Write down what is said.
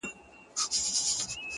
• يو په بل مي انسانان دي قتل كړي ,